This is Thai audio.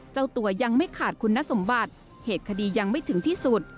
เจ้าตัวยังไม่ขาดคุณสมบัติเหตุคดียังไม่ถึงที่สุด